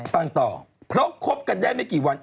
ฟังต่อเพราะคบกันได้ไม่กี่วัน